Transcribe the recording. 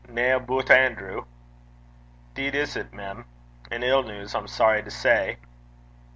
'Nae aboot Anerew?' ''Deed is 't, mem. An' ill news, I'm sorry to say.'